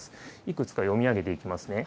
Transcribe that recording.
いくつか読み上げていきますね。